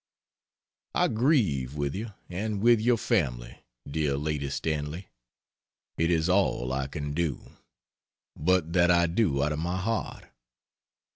I grieve with you and with your family, dear Lady Stanley, it is all I can do; but that I do out of my heart.